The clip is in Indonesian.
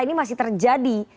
ini masih terjadi